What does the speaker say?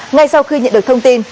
ngay sau khi nhận được thông tin